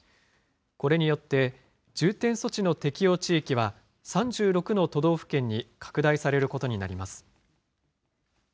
これによって、重点措置の適用地域は３６の都道府県に拡大されることになります。